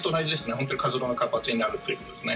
本当に活動が活発になるということですね。